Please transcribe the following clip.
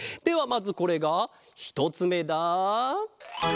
まずこれがひとつめだ。